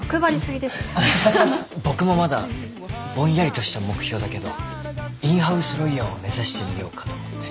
僕もまだぼんやりとした目標だけどインハウスロイヤーを目指してみようかと思って。